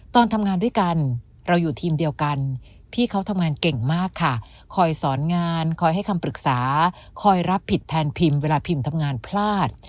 ตอนทำงานด้วยกันเราอยู่ทีมเดียวกันพี่เขาทำงานเก่งมากค่ะคอยสอนงานคอยให้คำปรึกษาคอยรับผิดแทนพิมเวลาพิมทำงานพลาด